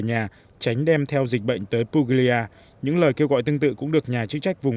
nhà tránh đem theo dịch bệnh tới puglia những lời kêu gọi tương tự cũng được nhà chức trách vùng